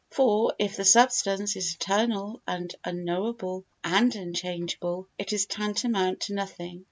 For, if the substance is eternal and unknowable and unchangeable, it is tantamount to nothing.